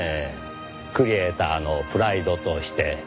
クリエイターのプライドとして。